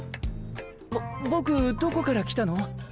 ボボクどこから来たの？